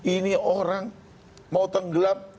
ini orang mau tenggelam